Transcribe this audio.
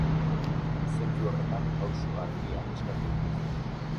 Zentzu horretan pausu argiak eskatu dituzte.